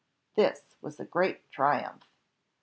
This was a great triumph.